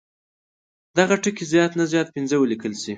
دغه ټکي زیات نه زیات پنځه ولیکل شي.